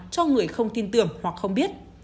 cho người không tin tưởng hoặc không biết